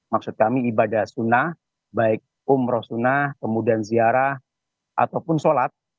maksud kami ibadah sunnah baik umroh sunnah kemudian ziarah ataupun sholat